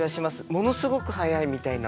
ものすごく速いみたいな。